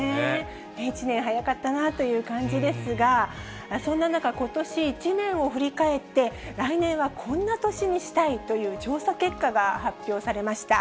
一年早かったなという感じですが、そんな中、ことし一年を振り返って、来年はこんな年にしたいという調査結果が発表されました。